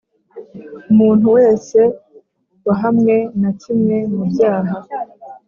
umuntu wese wahamwe na kimwe mu byaha